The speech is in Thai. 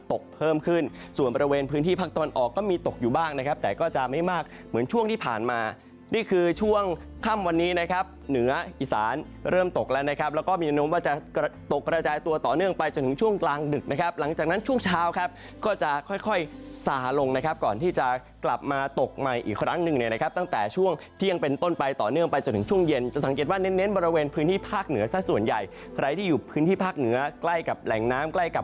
ต่อเนื่องไปจนถึงช่วงกลางดึกนะครับหลังจากนั้นช่วงเช้าครับก็จะค่อยสาลงนะครับก่อนที่จะกลับมาตกใหม่อีกครั้งหนึ่งนะครับตั้งแต่ช่วงที่ยังเป็นต้นไปต่อเนื่องไปจนถึงช่วงเย็นจะสังเกตว่าเน้นบริเวณพื้นที่ภาคเหนือซะส่วนใหญ่ใครที่อยู่พื้นที่ภาคเหนือใกล้กับแหล่งน้ำใกล้กับ